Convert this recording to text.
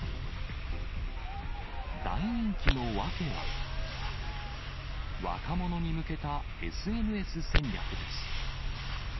大人気の訳は、若者に向けたＳＮＳ戦略です。